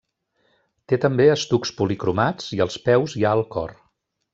Té també estucs policromats i als peus hi ha el cor.